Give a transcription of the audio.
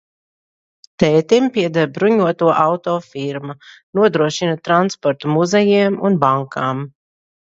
Tētim pieder bruņoto auto firma, nodrošina transportu muzejiem un bankām.